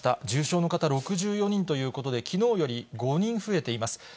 重症の方６４人ということで、きのうより５人増えています。